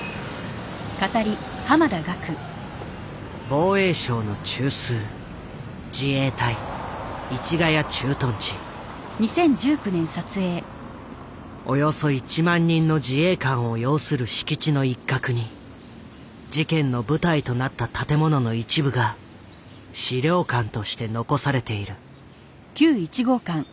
防衛省の中枢およそ１万人の自衛官を擁する敷地の一角に事件の舞台となった建物の一部が資料館として残されている。